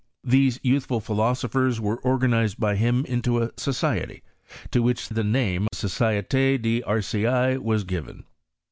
These youthful philosophers were organized by him into a society, to which the name of Societe d'Arcueil was given.